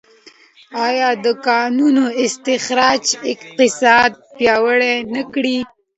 آیا د کانونو استخراج اقتصاد پیاوړی نه کړ؟